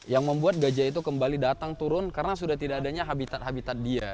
yang membuat gajah itu kembali datang turun karena sudah tidak adanya habitat habitat dia